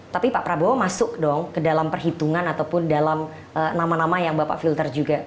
tapi pak prabowo masuk dong ke dalam perhitungan ataupun dalam nama nama yang bapak filter juga